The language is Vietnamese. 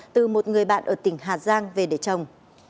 từ một người bạn ở tỉnh hà giang về để chồng